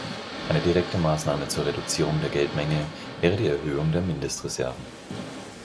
Eine direkte Maßnahme zur Reduzierung der Geldmenge wäre die Erhöhung der Mindestreserven.